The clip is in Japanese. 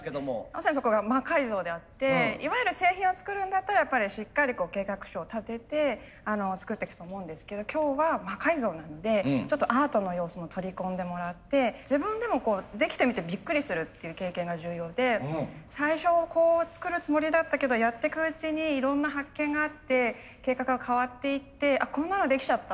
まさにそこが魔改造であっていわゆる製品を作るんだったらやっぱりしっかり計画書を立てて作ってくと思うんですけど今日は魔改造なのでちょっとアートの要素も取り込んでもらって自分でもできてみてびっくりするっていう経験が重要で最初こう作るつもりだったけどやってくうちにいろんな発見があって計画が変わっていってこんなのできちゃった。